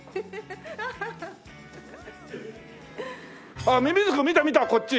ああっミミズク見た見たこっち！